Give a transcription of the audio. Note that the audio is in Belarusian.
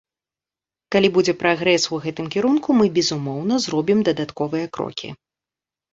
Калі будзе прагрэс у гэтым кірунку, мы, безумоўна, зробім дадатковыя крокі.